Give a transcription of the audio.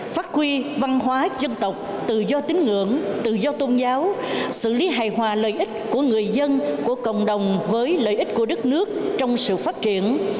phát huy văn hóa dân tộc tự do tín ngưỡng tự do tôn giáo xử lý hài hòa lợi ích của người dân của cộng đồng với lợi ích của đất nước trong sự phát triển